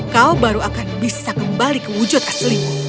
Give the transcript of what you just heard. kau baru akan bisa kembali ke wujud asli